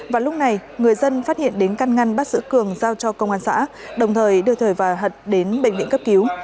và lúc này người dân phát hiện đến căn ngăn bắt giữ cường giao cho công an xã đồng thời đưa thời và hận đến bệnh viện cấp cứu